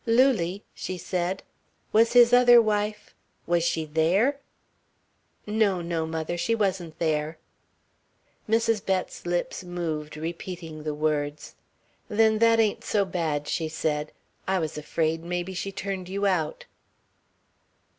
"Lulie," she said, "was his other wife was she there?" "No, no, mother. She wasn't there." Mrs. Bett's lips moved, repeating the words. "Then that ain't so bad," she said. "I was afraid maybe she turned you out."